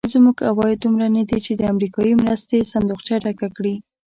زموږ عواید دومره ندي چې د امریکایي مرستې صندوقچه ډکه کړي.